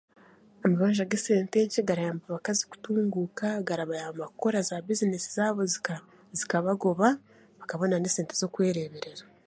Amabanja g'esente nkye garayamba abakazi kutunguuka garabayamba kukora zaabizinesi zaabo zikabagoba bakabona n'esente zokwereeberera